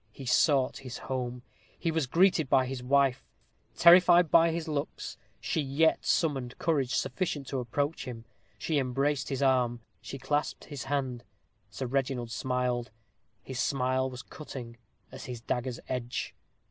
He sought his home. He was greeted by his wife. Terrified by his looks, she yet summoned courage sufficient to approach him. She embraced his arm she clasped his hand. Sir Reginald smiled. His smile was cutting as his dagger's edge.